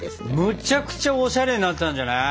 むちゃくちゃおしゃれになったんじゃない？